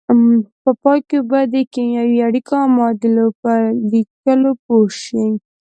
په پای کې به د کیمیاوي اړیکو او معادلو په لیکلو پوه شئ.